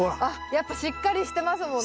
やっぱしっかりしてますもんね。